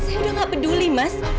saya udah gak peduli mas